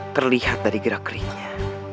terlihat dari gerak keriknya